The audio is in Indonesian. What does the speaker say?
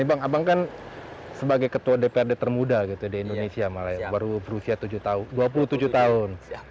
abang kan sebagai ketua dprd termuda di indonesia baru berusia dua puluh tujuh tahun